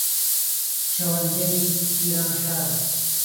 چەوەندەری پیرانشار